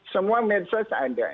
semua medsos ada